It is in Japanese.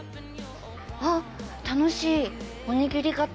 あっ楽しいおにぎり型。